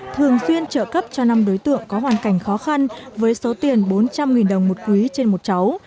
thường xuyên trợ cấp cho năm đối tượng có hoàn cảnh khó khăn với số tiền bốn trăm linh đồng một quý trên một cháu